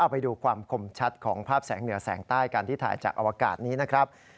ไปดูความคมชัดของภาพแสงเหนือแสงใต้กันที่ถ่ายจากอวกาศนี้นะครับ